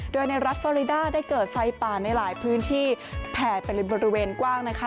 โดยในรัฐฟอริดาได้เกิดไฟป่าในหลายพื้นที่แผ่ไปบริเวณกว้างนะคะ